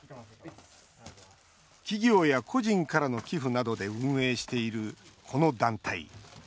企業や個人からの寄付などで運営している、この団体。